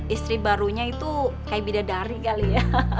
istri barunya itu kayak bidadari kali ya